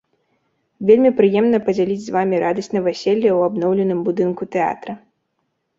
Вельмі прыемна падзяліць з вамі радасць наваселля ў абноўленым будынку тэатра.